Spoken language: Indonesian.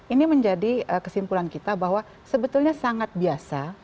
ini menjadi kesimpulan kita bahwa sebetulnya sangat biasa